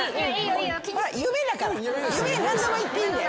夢だから夢何でも言っていいんだよ。